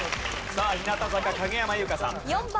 日向坂影山優佳さん。